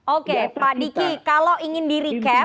oke pak diki kalau ingin di recap